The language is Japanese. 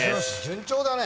順調だね。